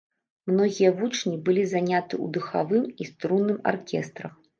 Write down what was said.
Многія вучні былі заняты ў духавым і струнным аркестрах.